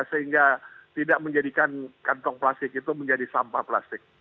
sehingga tidak menjadikan kantong plastik itu menjadi sampah plastik